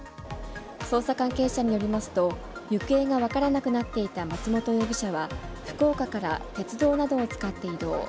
捜査関係者によりますと、行方が分からなくなっていた松本容疑者は、福岡から鉄道などを使って移動。